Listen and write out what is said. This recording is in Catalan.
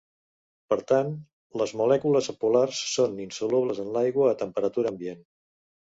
Per tant les molècules apolars són insolubles en l'aigua a temperatura ambient.